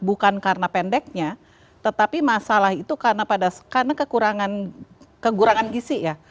bukan karena pendeknya tetapi masalah itu karena kekurangan gisi ya